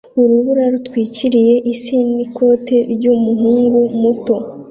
Urubura rutwikiriye isi n'ikoti ry'umuhungu muto